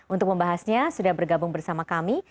untuk membahasnya sudah bergabung bersama kami